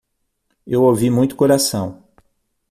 Eu ouvi muito coração